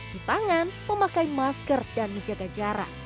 cuci tangan memakai masker dan menjaga jarak